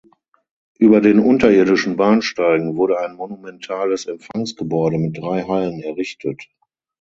Über den unterirdischen Bahnsteigen wurde ein monumentales Empfangsgebäude mit drei Hallen errichtet.